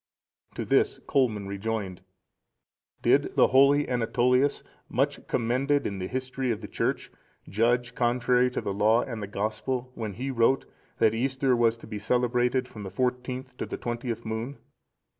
To this Colman rejoined: "Did the holy Anatolius,(474) much commended in the history of the Church, judge contrary to the Law and the Gospel, when he wrote, that Easter was to be celebrated from the fourteenth to the twentieth moon?